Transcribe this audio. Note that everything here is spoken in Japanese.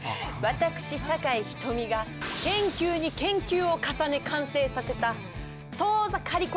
私酒井瞳が研究に研究を重ね完成させた当座借越